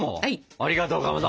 ありがとうかまど！